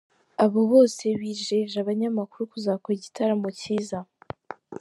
Aba bose bijeje abanyamakuru kuzakora igitaramo cyiza.